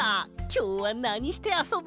きょうはなにしてあそぶ？